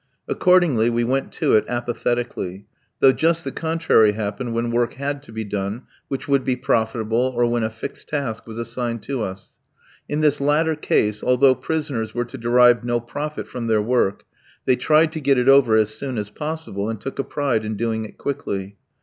Accordingly, we went to it apathetically; though just the contrary happened when work had to be done, which would be profitable, or when a fixed task was assigned to us. In this latter case, although prisoners were to derive no profit from their work, they tried to get it over as soon as possible, and took a pride in doing it quickly.